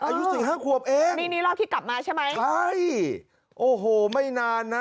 อายุสี่ห้าขวบเองนี่นี่รอบที่กลับมาใช่ไหมใช่โอ้โหไม่นานนะ